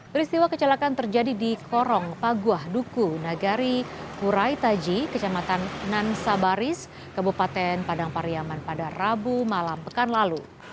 peristiwa kecelakaan terjadi di korong paguah duku nagari kuraitaji kecamatan nansabaris kabupaten padang pariyaman pada rabu malam pekan lalu